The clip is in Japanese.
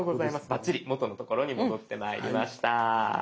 バッチリ元の所に戻ってまいりました。